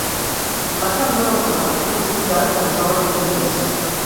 La cambra del Senat s'utilitza ara com a sala de comitès.